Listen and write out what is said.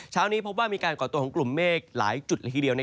เช้านี้พบว่ามีการก่อตัวของกลุ่มเมฆหลายจุดละทีเดียว